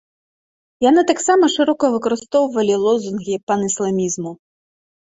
Яны таксама шырока выкарыстоўвалі лозунгі панісламізму.